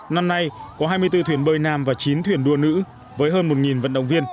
năm nay có hai mươi bốn thuyền bơi nam và chín thuyền đua nữ với hơn một vận động viên